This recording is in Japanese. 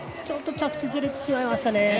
ちょっと着地ずれてしまいましたね。